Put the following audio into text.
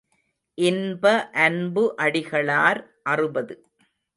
இன்ப அன்பு அடிகளார் அறுபது.